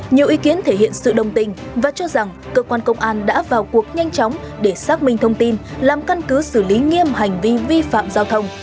nhiều ý kiến thể hiện sự đồng tình và cho rằng cơ quan công an đã vào cuộc nhanh chóng để xác minh thông tin làm căn cứ xử lý nghiêm hành vi vi phạm giao thông